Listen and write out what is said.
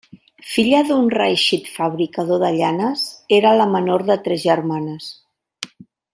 Filla d'un reeixit fabricador de llanes, era la menor de tres germanes.